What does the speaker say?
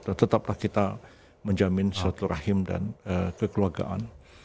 dan tetaplah kita menjamin satu rahim dan kekeluargaan